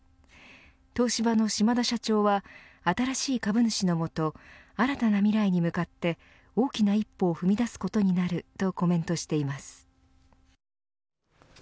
東芝の島田社長は新しい株主の下新たな未来に向かって大きな一歩を踏み出すことになるとコメントしています。